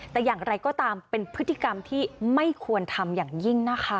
แต่อย่างไรก็ตามเป็นพฤติกรรมที่ไม่ควรทำอย่างยิ่งนะคะ